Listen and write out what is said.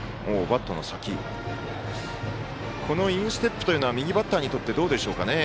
このインステップというのは右バッターにとってどうでしょうかね。